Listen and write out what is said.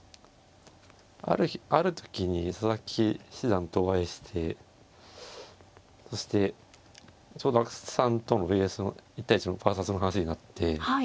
ある時に佐々木七段とお会いしてそしてちょうど阿久津さんとのＶＳの１対１のバーサスの話になって。